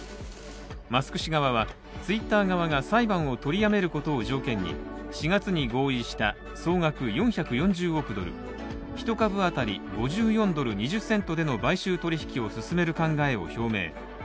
マスク氏側は、Ｔｗｉｔｔｅｒ側が裁判を取りやめることを条件に４月に合意した総額４４０億ドル１株当たり５４ドル２０セントでの買収取引を進める考えを表明。